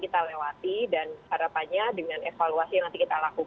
kita lewati dan harapannya dengan evaluasi yang nanti akan dijalankan lagi